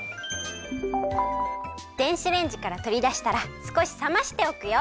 電子レンジからとりだしたらすこしさましておくよ。